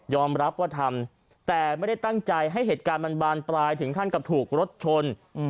รับว่าทำแต่ไม่ได้ตั้งใจให้เหตุการณ์มันบานปลายถึงขั้นกับถูกรถชน